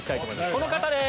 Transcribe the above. この方です！